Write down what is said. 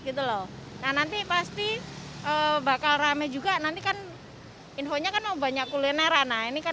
gitu loh nah nanti pasti bakal rame juga nanti kan infonya kan mau banyak kulineran nah ini kan